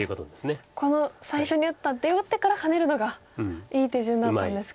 この最初に打った出を打ってからハネるのがいい手順だったんですか。